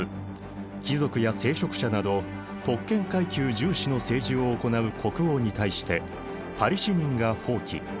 貴族や聖職者など特権階級重視の政治を行う国王に対してパリ市民が蜂起。